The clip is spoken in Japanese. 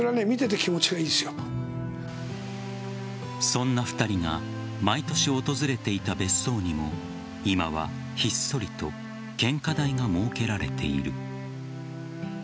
そんな２人が毎年訪れていた別荘にも今はひっそりと献花台が設けられている。